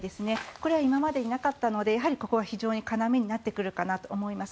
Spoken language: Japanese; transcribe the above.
これは今までになかったのでここは非常に要になってくるかと思います。